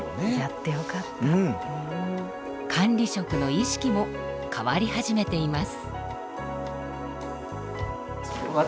管理職の意識も変わり始めています。